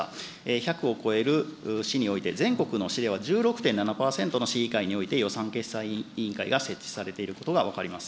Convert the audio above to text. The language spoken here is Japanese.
１００を超える市において、全国の市では１６．７％の市議会において予算決算委員会が設置されていることが分かります。